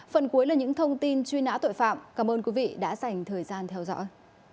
phần cuối là những thông tin truy nã tội phạm cảm ơn quý vị đã dành thời gian theo dõi